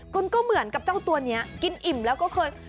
คุณก็เหมือนกับเจ้าตัวนี้กินอิ่มแล้วก็เคย